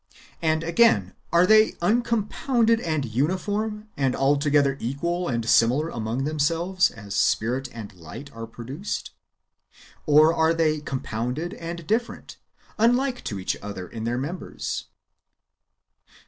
And, again, are they uncompounded and uniform, and altogether equal and similar among themselves, as spirit and b'ght are produced ; or are they compounded and different, unlike [to each other] in their members.